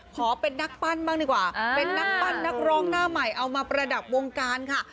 ขอเป็นนักปั้นบ้างดีกว่าเป็นนักปั้นนักร้องหน้าใหม่เอามาประดับวงการค่ะ